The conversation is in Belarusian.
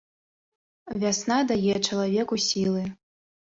Вясна дае чалавеку сілы.